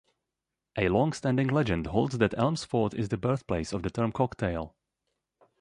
A longstanding legend holds that Elmsford is the birthplace of the term "cocktail".